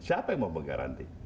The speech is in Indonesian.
siapa yang mau menggaranti